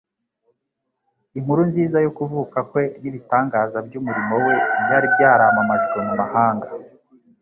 Inkuru nziza yo kuvuka kwe, n'ibitangaza by'umurimo we byari byaramamajwe mu mahanga.